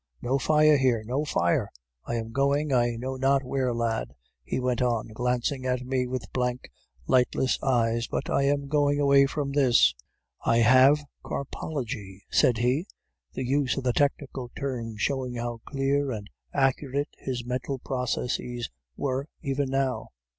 'No fire here! no fire! I am going, I know not where, lad,' he went on, glancing at me with blank, lightless eyes, 'but I am going away from this. I have carpology,' said he (the use of the technical term showing how clear and accurate his mental processes were even now).